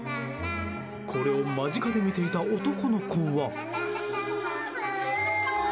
これを間近で見ていた男の子は。